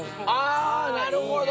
あなるほど！